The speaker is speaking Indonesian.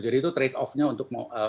jadi itu trade offnya untuk mobil bekas